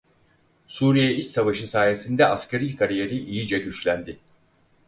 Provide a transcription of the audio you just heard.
Suriye İç Savaşı sayesinde askeri kariyeri iyice güçlendi.